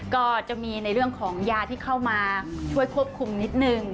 ก็จะมีในเรื่องของยาที่เข้ามาช่วยควบคุมนิดนึง